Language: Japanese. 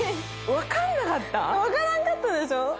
分からんかったでしょ？